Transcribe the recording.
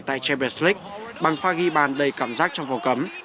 tại champions league bằng pha ghi bàn đầy cảm giác trong phòng cấm